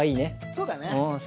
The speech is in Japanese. そうだね。